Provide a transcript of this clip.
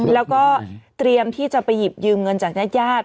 แล้วก็เตรียมที่จะไปหยิบยืมเงินจากญาติญาติ